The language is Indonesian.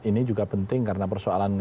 ini juga penting karena persoalan